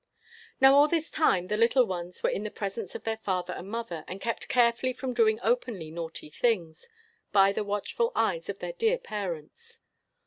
Now all this time the little ones were in the presence of their father and mother, and kept carefully from doing openly naughty things by the watchful eyes of their dear parents.